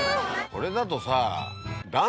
これだとさ。